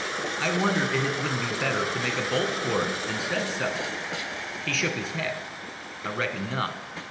I wondered if it wouldn't be better to make a bolt for it, and said so. He shook his head. "I reckon not.